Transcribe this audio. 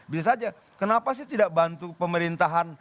bisa saja kenapa sih tidak bantu pemerintahan